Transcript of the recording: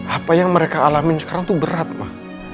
apa yang mereka alamin sekarang tuh berat mah